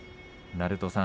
鳴戸さん